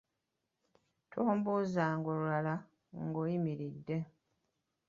Tombuuzanga olulala ng’oyimiridde.